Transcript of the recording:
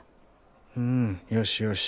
うんよしよし。